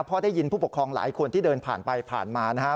เพราะได้ยินผู้ปกครองหลายคนที่เดินผ่านไปผ่านมานะครับ